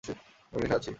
আমি নেশায় আছি।